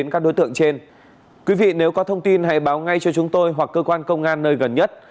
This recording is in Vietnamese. mọi thông tin hãy báo ngay cho chúng tôi hoặc cơ quan công an nơi gần nhất